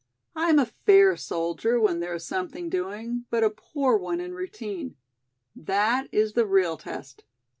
I am a fair soldier when there is something doing, but a poor one in routine. That is the real test.